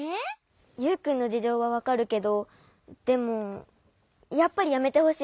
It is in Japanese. ユウくんのじじょうはわかるけどでもやっぱりやめてほしい。